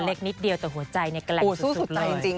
ตัวเล็กนิดเดียวแต่หัวใจเนี่ยกระแกร่งสุดเลย